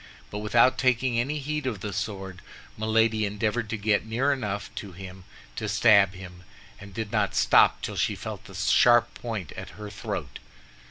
But without taking any heed of the sword, Milady endeavored to get near enough to him to stab him, and did not stop till she felt the sharp point at her throat.